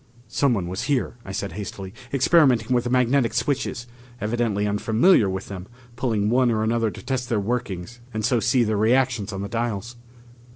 "Someone was here," I said hastily, "experimenting with the magnetic switches. Evidently unfamiliar with them pulling one or another to test their workings and so see their reactions on the dials."